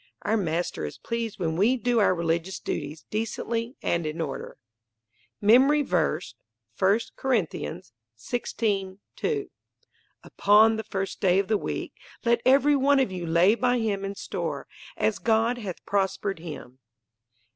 Our Master is pleased when we do our religious duties "decently and in order." MEMORY VERSE, I Corinthians 16: 2 "Upon the first day of the week let every one of you lay by him in store, as God hath prospered him."